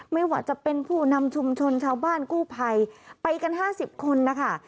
ไม่ว่าจะเป็นผู้นำชุมชนชาวบ้านกู้ภัยไปกัน๕๐คนนะคะ